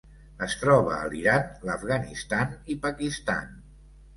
Es troba a l'Iran, l'Afganistan i Pakistan.